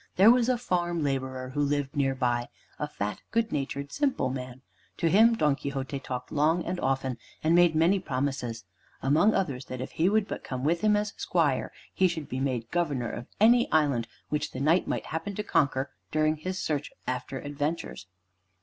There was a farm laborer who lived near by, a fat, good natured, simple man. To him Don Quixote talked long and often, and made many promises; among others that if he would but come with him as squire, he should be made governor of any island which the Knight might happen to conquer during his search after adventures.